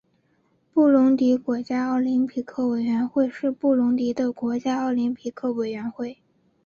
布隆迪国家奥林匹克委员会是布隆迪的国家奥林匹克委员会。